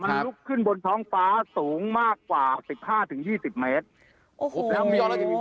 มันลุกขึ้นบนท้องฟ้าสูงมากกว่าสิบห้าถึงยี่สิบเมตรโอ้โหแล้วมีรอยยิ้ม